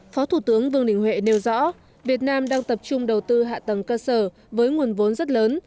phó thủ tướng vương đình huệ nêu rõ việt nam đang tập trung đầu tư hạ tầng cơ sở với nguồn vốn rất lớn